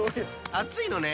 あついのね。